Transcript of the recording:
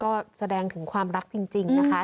ก็แสดงถึงความรักจริงนะคะ